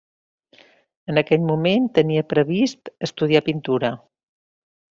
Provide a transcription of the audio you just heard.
En aquell moment tenia previst estudiar pintura.